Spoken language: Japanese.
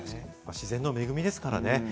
自然の恵みですからね。